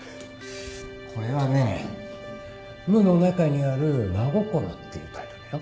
これはね『無の中にある真心』っていうタイトルだよ。